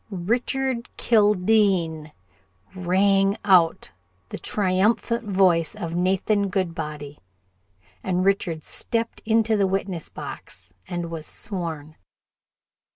"Richard Kildene!" rang out the triumphant voice of Nathan Goodbody, and Richard stepped into the witness box and was sworn.